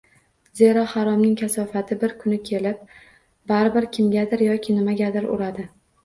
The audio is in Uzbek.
Zero, haromning kasofati bir kun kelib, baribir kimgadir yoki nimagadir uradi.